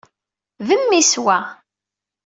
D mmi-s, wa.